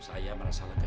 saya merasa legah